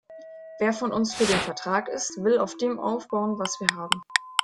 Wer von uns für den Vertrag ist, will auf dem aufbauen, was wir haben.